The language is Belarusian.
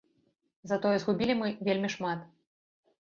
Затое згубілі мы вельмі шмат.